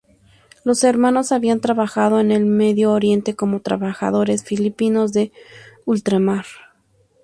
Los hermanos habían trabajado en el Medio Oriente como Trabajadores Filipinos de Ultramar.